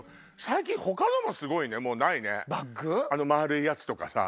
最近他のもすごいねないねあの丸いやつとかさ。